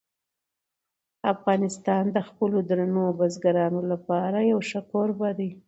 افغانستان د خپلو درنو بزګانو لپاره یو ښه کوربه دی.